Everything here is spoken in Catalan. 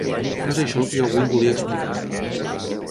No és això el que jo avui volia explicar.